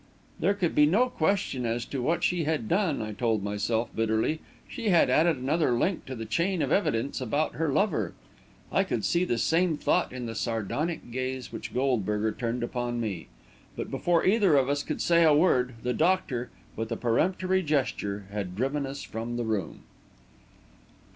There could be no question as to what she had done, I told myself, bitterly: she had added another link to the chain of evidence about her lover. I could see the same thought in the sardonic gaze which Goldberger turned upon me; but before either of us could say a word, the doctor, with a peremptory gesture, had driven us from the room.